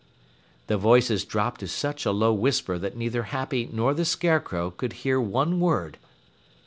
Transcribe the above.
The voices dropped to such a low whisper that neither Happy nor the Scarecrow could hear one word.